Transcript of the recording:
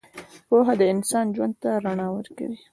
پوهه د انسان ژوند ته رڼا ورکوي.